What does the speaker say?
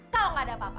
kalo gak ada apa apa